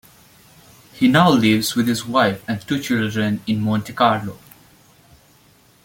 He now lives with his wife and two children in Monte Carlo.